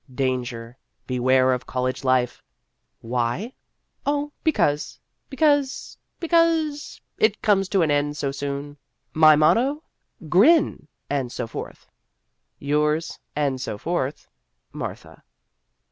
Danger ! Beware of college life ! Why ? Oh, because because be cause it comes to an end so soon. My motto :" Grin " and so forth. Yours and so forth, MARTHA.